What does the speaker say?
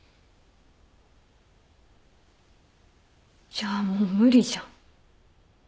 じゃあもう無理じゃん。